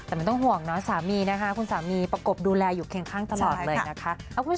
แต่ไม่ต้องห่วงนะสามีนะคะคุณสามีประกบดูแลอยู่เคียงข้างตลอดเลยนะคะ